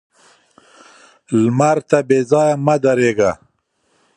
لمر ته بې ځايه مه درېږه